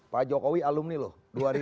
pak jokowi alumni loh